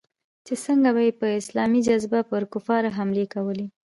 چې څنگه به يې په اسلامي جذبه پر کفارو حملې کولې.